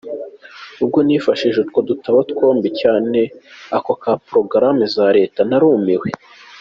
Ubwo nifashishije utwo dutabo twombi, cyane ako ka porogaramu za leta, narumiwe.